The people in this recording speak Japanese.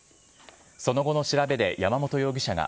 その後の調べで山本容疑者が、